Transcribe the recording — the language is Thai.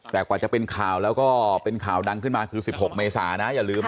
แต่กว่าจะเป็นข่าวแล้วก็เป็นข่าวดังขึ้นมาคือ๑๖เมษานะอย่าลืม